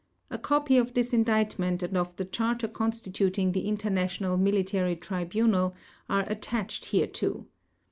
A copy of this indictment and of the Charter constituting the International Military Tribunal are attached hereto.